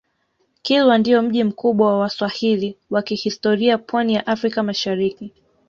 kilwa ndio mji mkubwa wa waswahili wa kihistoria pwani ya afrika mashariki